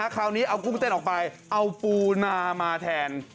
คราวนี้เอากุ้งเต้นออกไปเอาปูนามาแทน